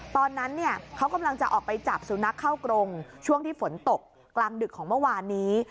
ตอนนั้นเนี่ยเขากำลังจะออกไปจับสุนัขเข้ากรงช่วงที่ฝนตกกลางดึกของเมื่อวานนี้